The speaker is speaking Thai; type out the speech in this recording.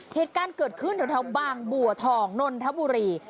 เหตุการณ์เกิดขึ้นแถวบางบัวทองนนทบุรี